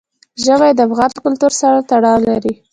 ژمی د افغان کلتور سره تړاو لري.